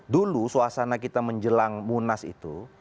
dulu suasana kita menjelang munas itu